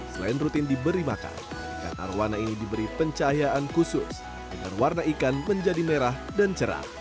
selain rutin diberi makan ikan arowana ini diberi pencahayaan khusus dengan warna ikan menjadi merah dan cerah